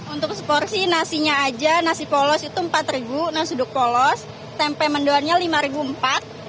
untuk seporsi nasinya aja nasi polos itu rp empat nasi uduk polos tempe mendoannya rp lima empat